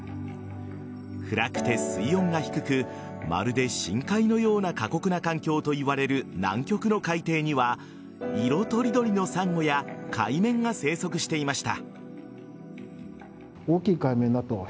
暗くて水温が低くまるで深海のような過酷な環境といわれる南極の海底には色とりどりのサンゴや海綿が生息していました。